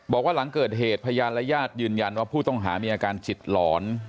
บอกว่าหลังเกิดเหตุพยานและญาติยืนยันว่าผู้ต้องหามีอาการจิตหลอน